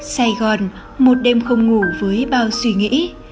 sài gòn một đêm không ngủ với bao suy nghĩ